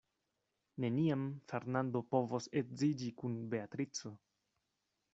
Neniam Fernando povos edziĝi kun Beatrico.